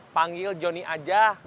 panggil jonny aja